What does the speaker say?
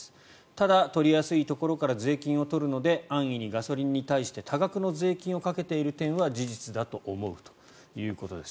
ただ、取りやすいところから税金を取るので安易にガソリンに対して多額の税金をかけている点は事実だと思うということです。